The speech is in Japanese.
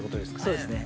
◆そうですね。